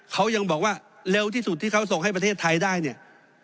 เขายังบอกว่าเร็วที่สุดที่เขาส่งให้ประเทศไทยได้เนี่ย